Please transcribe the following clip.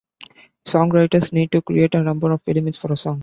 Songwriters need to create a number of elements for a song.